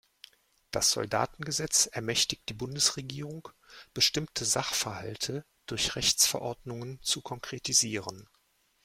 Das Soldatengesetz ermächtigt die Bundesregierung, bestimmte Sachverhalte durch Rechtsverordnungen zu konkretisieren.